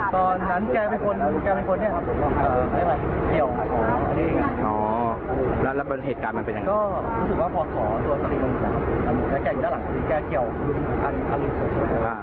พอจะทิ้งกันจะวิ่งเข้ามาแล้วก็เรียบรับศพพยาบาล